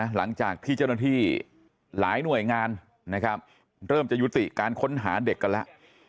หลังจากที่เจ้าหน้าที่หลายหน่วยงานนะครับเริ่มจะยุติการค้นหาเด็กกันแล้ว